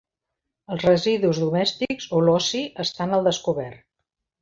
Els residus domèstics o l'oci estan al descobert.